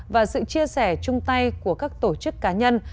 và sự chia sẻ chung tay của các tổ chức cá nhân